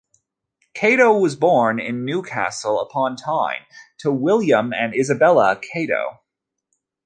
Catto was born in Newcastle upon Tyne, to William and Isabella Catto.